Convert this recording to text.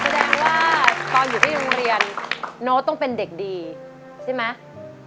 แสดงว่าตอนอยู่ที่โรงเรียนโน้ตต้องเป็นเด็กดีใช่ไหม